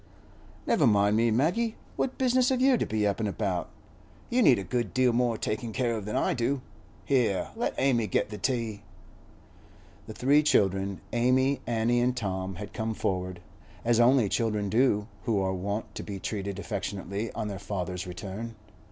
'Never mind me, Maggie. What business have you to be up an' about? You need a good deal more takin' care of than I do. Here, let Amy get the tea.' The three children, Amy, Annie, and Tom, had come forward, as only children do who are wont to be treated affectionately on their father's return.